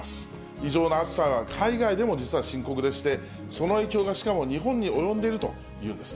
異常な暑さは海外でも実は深刻でして、その影響がしかも日本に及んでいるというんです。